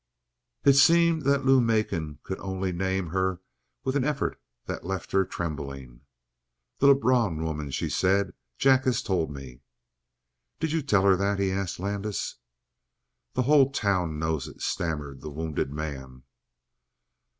It seemed that Lou Macon could only name her with an effort that left her trembling. "The Lebrun woman," she said. "Jack has told me." "Did you tell her that?" he asked Landis. "The whole town knows it," stammered the wounded man.